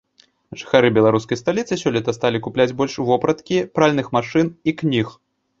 Жыхары беларускай сталіцы сёлета сталі больш купляць вопраткі, пральных машын і кніг.